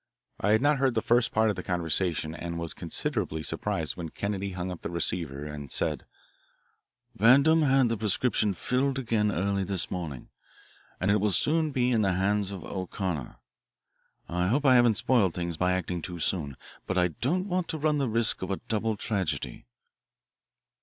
I had not heard the first part of the conversation, and was considerably surprised when Kennedy hung up the receiver and said: "Vandam had the prescription filled again early this morning, and it will soon be in the hands of O'Connor. I hope I haven't spoiled things by acting too soon, but I don't want to run the risk of a double tragedy."